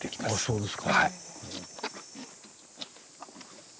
そうです。